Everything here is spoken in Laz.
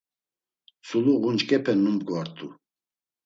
Tzulu ğunç̌ǩepe numgvart̆u.